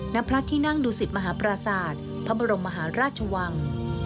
ณพระที่นั่งดูสิตมหาปราศาสตร์พระบรมมหาราชวัง